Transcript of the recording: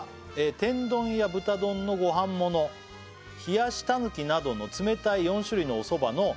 「天丼や豚丼のご飯物」「冷たぬきなどの冷たい４種類のおそばの中から」